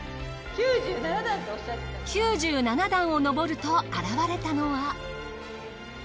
９７段を登ると現れたのは。